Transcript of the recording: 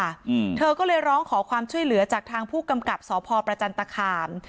อืมเธอก็เลยร้องขอความช่วยเหลือจากทางผู้กำกับสพประจันตคาม